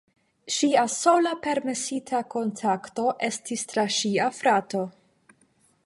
Ŝia sola permesita kontakto estis tra ŝia frato.